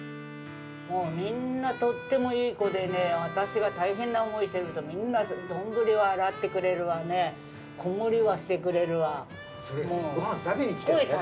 もう、みんなとってもいい子でね、私が大変な思いしてると、みんな、丼を洗ってくれるわね、それもごはん食べに来てだよ。